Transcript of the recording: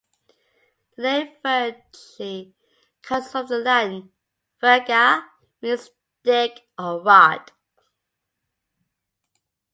The name verge comes from the Latin "virga", meaning stick or rod.